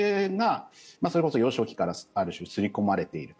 それこそ幼少期からある種、刷り込まれている。